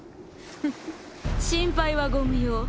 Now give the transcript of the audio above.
フフッ心配はご無用。